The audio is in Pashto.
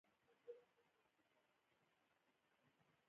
جګړه د رڼا پر ځای تیاره راولي